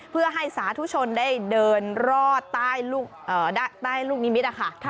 เพื่อให้สาธุชนได้เดินรอดใต้ลูกนิมิตนะคะ